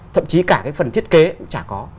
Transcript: thậm chí cả cái phần thiết kế cũng chả có